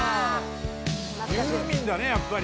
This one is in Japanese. ユーミンだねやっぱり。